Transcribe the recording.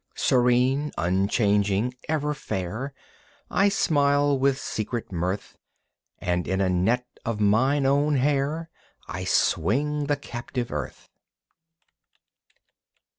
Serene, unchanging, ever fair, I smile with secret mirth And in a net of mine own hair I swing the captive earth.